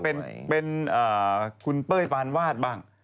เป็นคุณเป้ยปานวาดบ้าง